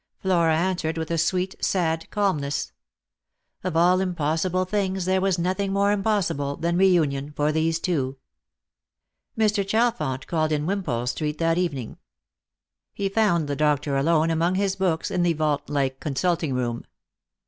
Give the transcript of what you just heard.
Flora answered with a sweet sad calmness. Of all impossible things there was nothing more impossible than reunion for these two. Mr. Chalfont called in Wimpole street that evening. He found the doctor alone among his books in the vault like con sulting room.